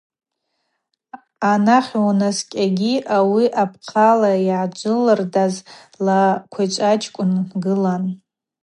Анахь унаскӏьатагьи ауи апхъала йгӏаджвылырдаз ла квайчӏвачкӏвынкӏ гылан.